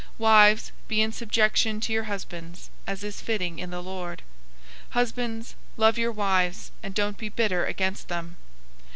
003:018 Wives, be in subjection to your husbands, as is fitting in the Lord. 003:019 Husbands, love your wives, and don't be bitter against them.